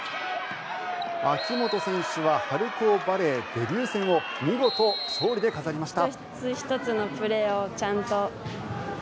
秋本選手は春高バレーデビュー戦を見事勝利で飾りました。